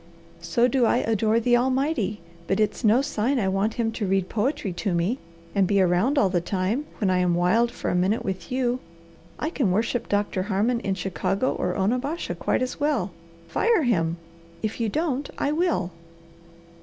So do I adore the Almighty, but that's no sign I want him to read poetry to me, and be around all the time when I am wild for a minute with you. I can worship Doctor Harmon in Chicago or Onabasha quite as well. Fire him! If you don't, I will!"